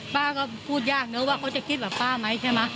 ป้าก็พูดยากเนอะว่าเขาจะคิดแบบป้าไหมใช่ไหม